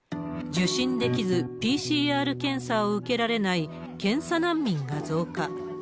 受診できず、ＰＣＲ検査を受けられない検査難民が増加。